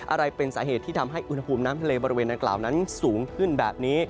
อะไรเป็นสาเหตุที่ทำให้อุณหภูมิน้ำทะเลบริเวณดังกล่าวนั้นสูงขึ้นแบบนี้